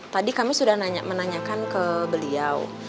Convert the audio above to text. tadi kami sudah menanyakan ke beliau